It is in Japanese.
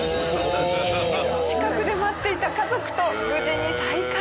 近くで待っていた家族と無事に再会！